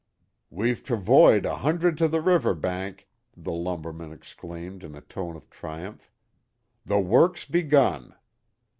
"We've travoyed a hundred to the river bank!" the lumberman exclaimed in a tone of triumph. "The work's begun!"